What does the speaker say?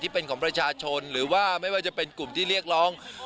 เป็นของประชาชนหรือว่าไม่ว่าจะเป็นกลุ่มที่เรียกร้อง